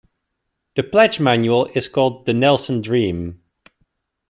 The pledge manual is called The Nelson Dream.